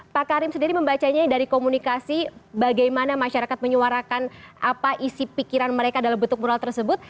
pak karim sendiri membacanya dari komunikasi bagaimana masyarakat menyuarakan apa isi pikiran mereka dalam bentuk moral tersebut